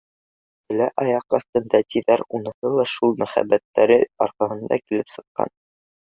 Бәлә аяҡ аҫтында, тиҙәр, уныһы ла шул мөхәббәттәре арҡаһында килеп сыҡҡан